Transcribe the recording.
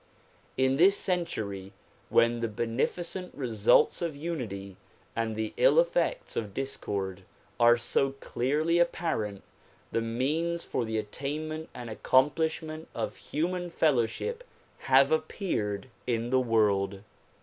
In this century when the beneficent results of unity and the ill effects of discord are so clearly apparent, the means for the attain ment and accomplishment of human fellowship have appeared in the world.